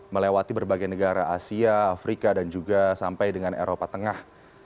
melewati berbagai negara asia afrika dan juga sampai dengan eropa tengah